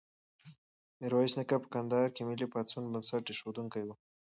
میرویس نیکه په کندهار کې د ملي پاڅون بنسټ ایښودونکی و.